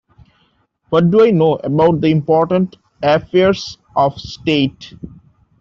What do I know about the important affairs of state?